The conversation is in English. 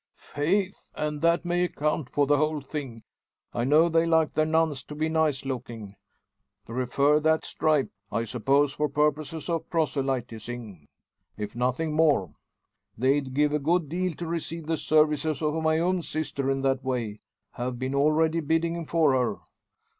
"Faith! and that may account for the whole thing. I know they like their nuns to be nice looking; prefer that stripe; I suppose, for purposes of proselytising, if nothing more. They'd give a good deal to receive the services of my own sister in that way; have been already bidding for her.